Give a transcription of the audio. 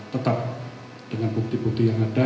tetap dengan bukti bukti yang ada